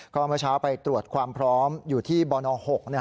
ก็มาเช้าไปตรวจความพร้อมอยู่ที่บอร์นอล๖